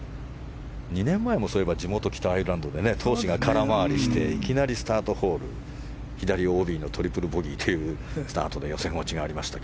２年前も地元・北アイルランドで闘志が空回りしていきなり、スタートホールで左オーバーのトリプルボギーというスタートの予選落ちがありましたが。